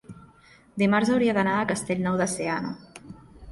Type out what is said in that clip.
dimarts hauria d'anar a Castellnou de Seana.